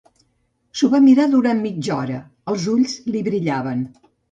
S'ho va mirar durant mitja hora, els ulls li brillaven.